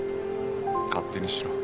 勝手にしろ。